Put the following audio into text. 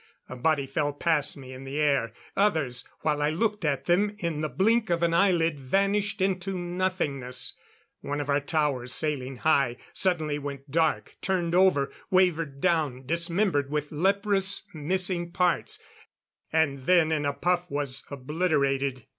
A body fell past me in the air ... others, while I looked at them, in the blink of an eyelid, vanished into nothingness ... One of our towers sailing high, suddenly went dark, turned over, wavered down, dismembered with leprous missing parts and then in a puff was obliterated.